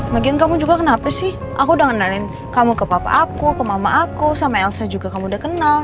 bagian kamu juga kenapa sih aku udah kenalin kamu ke papa aku ke mama aku sama elsa juga kamu udah kenal